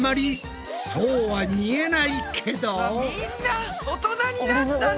みんな大人になったね！